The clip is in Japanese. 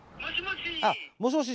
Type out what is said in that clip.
もしもし？